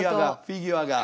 フィギュアが。